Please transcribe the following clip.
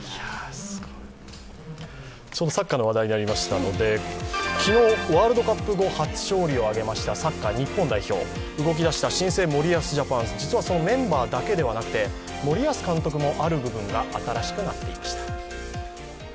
サッカーの話題になりましたので、昨日ワールドカップ後初勝利を挙げました、サッカー日本代表、動きだした新生森保ジャパン実はメンバーだけではなくて森保監督もある部分が新しくなっていました。